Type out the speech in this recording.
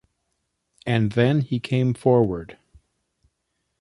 And then he came forward.